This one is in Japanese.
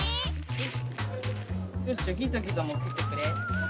よしじゃあギザギザもきってくれ。